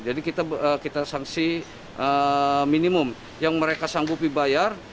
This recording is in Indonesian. jadi kita sanksi minimum yang mereka sanggup dibayar